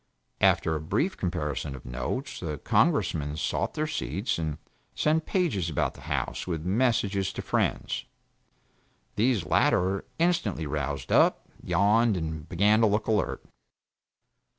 After a brief comparison of notes, the Congressmen sought their seats and sent pages about the House with messages to friends. These latter instantly roused up, yawned, and began to look alert.